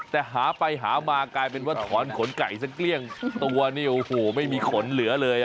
แต่หาไปหามากลายเป็นว่าถอนขนไก่สักเกลี้ยงตัวนี่โอ้โหไม่มีขนเหลือเลย